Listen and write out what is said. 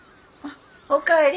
お帰り。